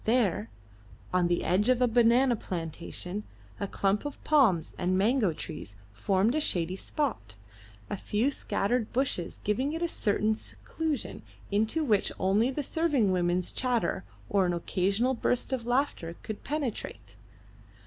There, on the edge of a banana plantation, a clump of palms and mango trees formed a shady spot, a few scattered bushes giving it a certain seclusion into which only the serving women's chatter or an occasional burst of laughter could penetrate.